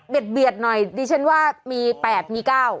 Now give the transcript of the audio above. เบียดหน่อยดิฉันว่ามี๘มี๙